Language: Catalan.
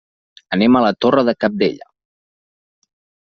Anem a la Torre de Cabdella.